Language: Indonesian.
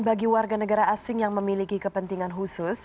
bagi warga negara asing yang memiliki kepentingan khusus